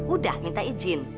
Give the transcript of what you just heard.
udah minta izin